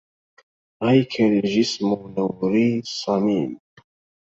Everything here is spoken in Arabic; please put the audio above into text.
هيكلي الجسم نوري الصميم